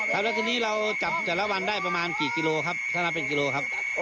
ครับแล้วทีนี้เราจับแต่ละวันได้ประมาณกี่กิโลครับถ้านับเป็นกิโลครับ